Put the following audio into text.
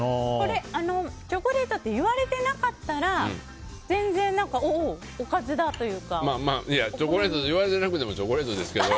チョコレートって言われてなかったらチョコレートって言われてなくてもチョコレートですけど。